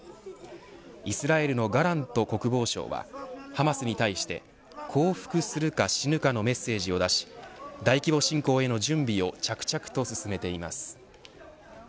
イスラエルのガラント国防相はハマスに対して降伏するか死ぬかのメッセージを出し大規模侵攻への準備を着々と進めています。